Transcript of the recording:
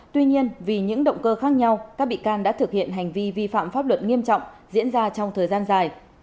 tuy nhiên vì những động cơ khác nhau các bị can đã thực hiện hành vi vi phạm pháp luật nghiêm trọng diễn ra trong thời gian dài